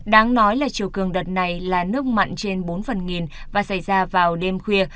đáng nói là chiều cường đợt này là nước mặn trên bốn phần nghìn và xảy ra vào đêm khuya